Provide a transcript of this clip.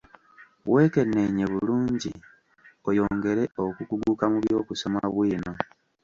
Wekenneenye bulungi oyongere okukuguka mu by'okusoma bwino.